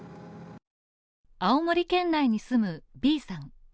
青森県内に住むＢさん。